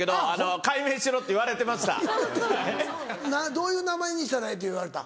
どういう名前にしたらええと言われた？